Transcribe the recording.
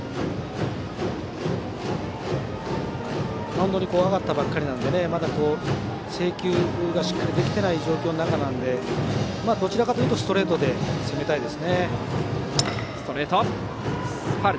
マウンドに上がったばかりなのでまだ制球がしっかりできていない状況の中なのでどちらかというとストレートで攻めたいです。